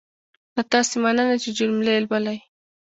له تاسې مننه چې جملې لولئ.